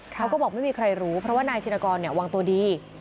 เขาก็บอกไม่มีใครรู้เพราะว่านายชินกรวางตัวดี